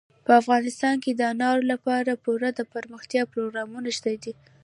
افغانستان کې د انارو لپاره پوره دپرمختیا پروګرامونه شته دي.